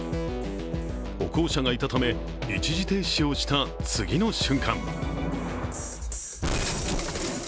歩行者がいたため、一時停止をした次の瞬間。